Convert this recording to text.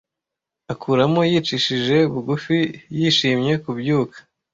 akuramo yicishije bugufi yishimye kubyuka